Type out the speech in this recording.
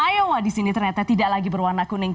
iowa disini ternyata tidak lagi berwarna kuning